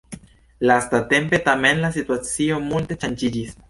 Lastatempe, tamen, la situacio multe ŝanĝiĝis.